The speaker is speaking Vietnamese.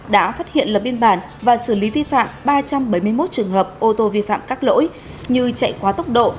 đã phát hiện lập biên bản và xử lý vi phạm ba trăm bảy mươi một trường hợp ô tô vi phạm các lỗi như chạy quá tốc độ